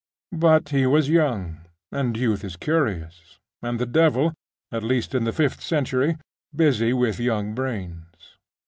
But he was young, and youth is curious; and the devil, at least in the fifth century, busy with young brains.